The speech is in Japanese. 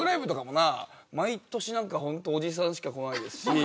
毎年なんかホントおじさんしか来ないですし。